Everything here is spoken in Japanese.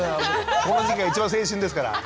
この時期が一番青春ですから。